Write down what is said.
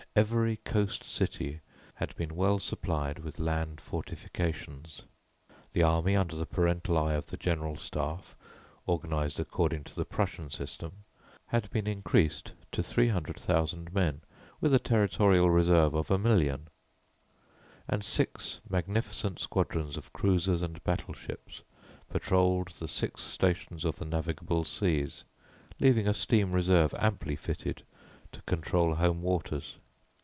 Every coast city had been well supplied with land fortifications; the army under the parental eye of the General Staff, organized according to the Prussian system, had been increased to 300,000 men, with a territorial reserve of a million; and six magnificent squadrons of cruisers and battle ships patrolled the six stations of the navigable seas, leaving a steam reserve amply fitted to control home waters.